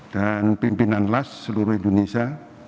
dan pimpinan las seluruh indonesia